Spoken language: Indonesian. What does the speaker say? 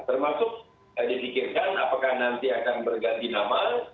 termasuk dipikirkan apakah nanti akan berganti nama